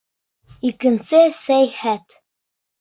ИКЕНСЕ СӘЙХӘТ